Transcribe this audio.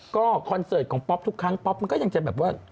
ก็คอนเสิร์ตของป๊อปทุกครั้งป๊อปมันก็ยังจะแบบว่า